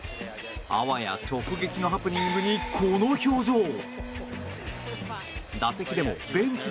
あわや直撃のハプニングにこの表情。